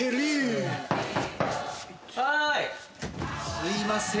すいません。